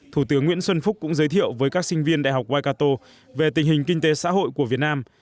thủ tướng nguyễn xuân phúc cũng giới thiệu với các sinh viên đại học wicato về tình hình kinh tế xã hội của việt nam